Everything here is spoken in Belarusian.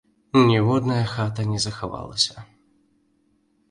Ніводная хата не захавалася.